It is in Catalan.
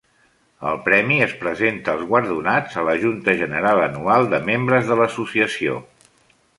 El premi es presenta als guardonats a la junta general anual de membres de l'associació.